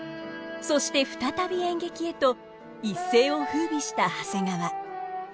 そして再び演劇へと一世を風靡した長谷川。